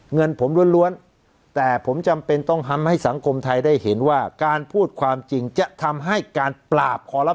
เงินผมล้วนแต่ผมจำเป็นต้องทำให้สังคมไทยได้เห็นว่าการพูดความจริงจะทำให้การปราบขอรับ